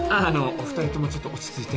お２人共ちょっと落ち着いて。